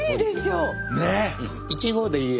ねえ！